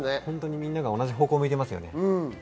みんなが同じ方向を向いてますよね。